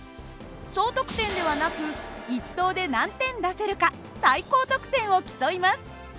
総得点ではなく１投で何点出せるか最高得点を競います。